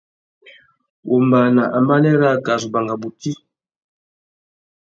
Wombāna ambanê râā ka zu banga bôti.